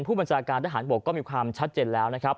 ผู้บัญชาการทหารบกก็มีความชัดเจนแล้วนะครับ